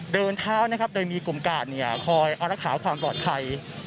เดินทางนะครับโดยมีกลุ่มกาดเนี่ยคอยเอานักขาวความปลอดภัย